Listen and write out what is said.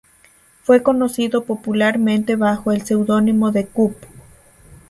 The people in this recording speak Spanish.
Fue conocido popularmente bajo el seudónimo de ""Kup"".